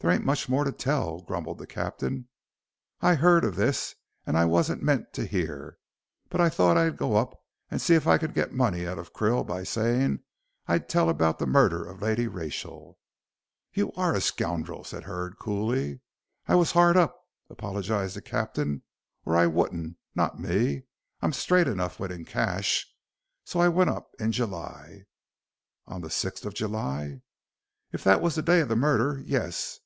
"There ain't much more to tell," grumbled the captain. "I heard of this, and I wasn't meant to hear. But I thought I'd go up and see if I could get money out of Krill by saying I'd tell about the murder of Lady Rachel." "You are a scoundrel," said Hurd, coolly. "I wos 'ard up," apologized the captain, "or I wouldn't, not me. I'm straight enough when in cash. So I went up in July." "On the sixth of July?" "If that was the day of the murder yes.